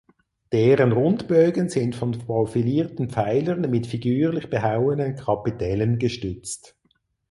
Deren Rundbögen sind von profilierten Pfeilern mit figürlich behauenen Kapitellen gestützt.